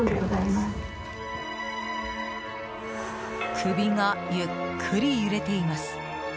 首がゆっくり揺れています。